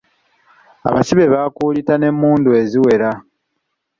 Abasibe baakuulita n'emmundu eziwera.